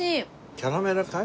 キャラメルかい？